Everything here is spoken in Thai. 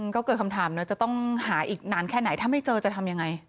ก็เกิดคำถามนะจะต้องหาอีกนานแค่ไหนถ้าไม่เจอจะทำยังไง